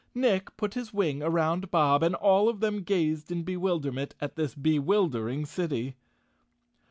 Nick put his wing around Bob and all of them gazed in bewilderment at this bewildering city.